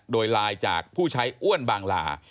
โดยไลน์จากผู้ใช้อ้วนบางลา